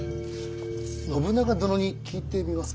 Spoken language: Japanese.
信長殿に聞いてみますか？